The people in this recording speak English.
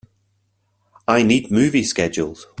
I need movie schedules